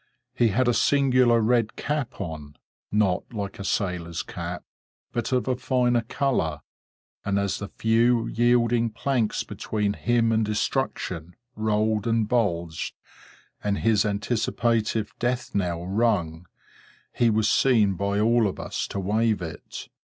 He had a singular red cap on,—not like a sailor's cap, but of a finer color; and as the few yielding planks between him and destruction rolled and bulged, and his anticipative death knell rung, he was seen by all of us to wave it.